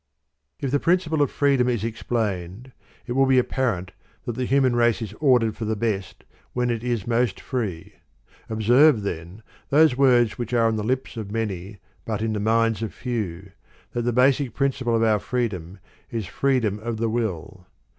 I. If the principle of fireedom is explained, it will be apparent that the human race is ordered for the best when it is most firee. Observe, then, those words which are on the lips of many but in the minds of few, that thy ^ SJt principle of our freedom is freedom of the wiJU.'